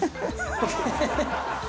ハハハハ！